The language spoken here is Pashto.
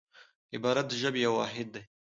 عبارت د ژبي یو واحد دئ.